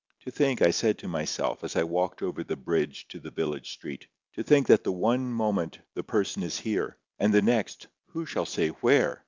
"To think," I said to myself, as I walked over the bridge to the village street—"to think that the one moment the person is here, and the next—who shall say WHERE?